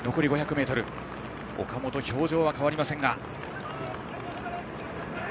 岡本、表情は変わりません。